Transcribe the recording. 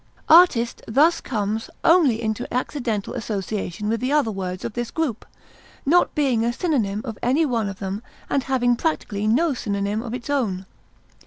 Artist thus comes only into accidental association with the other words of this group, not being a synonym of any one of them and having practically no synonym of its own.